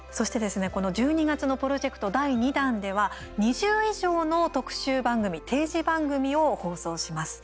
この１２月のプロジェクト第２弾では２０以上の特集番組定時番組を放送します。